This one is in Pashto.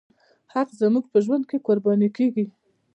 حق زموږ په ژوند کې قرباني کېږي.